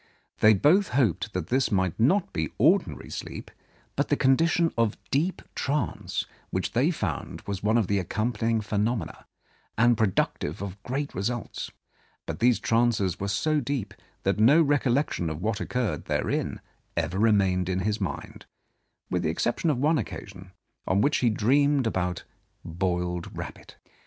They both hoped that this might not be ordinary sleep, but the condition of deep trance which they found was one of the accompanying phenomena, and productive of great results; but these trances were so deep, that no recollection of what occurred therein ever remained in his mind, with the exception of one occasion, on which he dreamed about boiled rabbit.